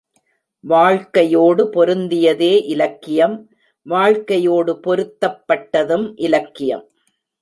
வாழ்க்கையோடு பொருந்தியதே இலக்கியம் வாழ்க்கையோடு பொருத்தப் பட்டதும் இலக்கியம்.